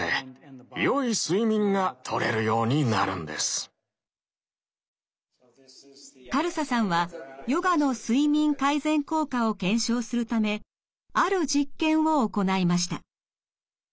ハーバード大学のカルサさんはヨガの睡眠改善効果を検証するためある実験を行いました。